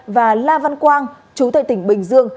và la văn quang chủ tịch tỉnh bình dương